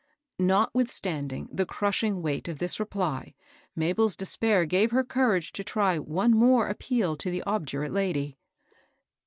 Notwithstanding the crushing weight of this reply, Mabel's despair gave her courage to try one more appeal to the obdurate lady.